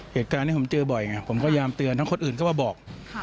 เหตุการณ์นี้ผมเจอผมก็ยามเตือนทั้งคนอื่นก็ว่าบอก